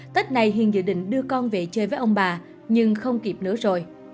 tết này hiền dự định đưa con về chơi với ông bà nhưng không kịp nữa rồi